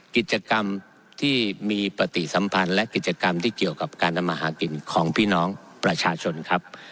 กิจกรรมที่มีปฏิสัมพันธ์และกิจกรรมที่เกี่ยวกับการทำอาหารกินของพี่น้องประชาชนครับ